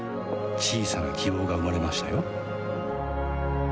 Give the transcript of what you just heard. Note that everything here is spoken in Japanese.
小さな希望が生まれましたよ